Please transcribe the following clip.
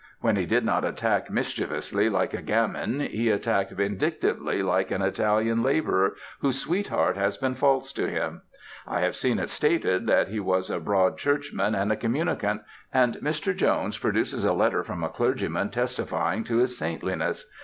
When he did not attack mischievously like a gamin, he attacked vindictively like an Italian laborer whose sweetheart has been false to him. I have seen it stated that he was a broad churchman and a communicant; and Mr. Jones produces a letter from a clergyman testifying to his "saintliness."